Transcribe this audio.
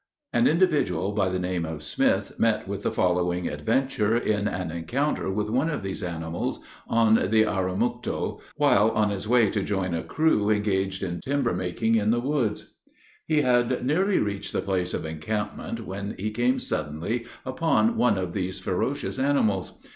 An individual by the name of Smith met with the following adventure in an encounter with one of these animals on the Arromucto, while on his way to join a crew engaged in timber making in the woods. He had nearly reached the place of encampment, when he came suddenly upon one of these ferocious animals.